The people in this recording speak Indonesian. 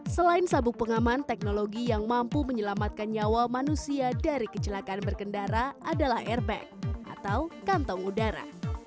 selain sabuk pengaman teknologi yang mampu menyelamatkan nyawa manusia dari kecelakaan berkendara adalah airbag atau kantong udara